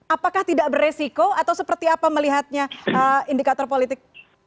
apakah tidak beresiko atau seperti apa melihatnya indikator politik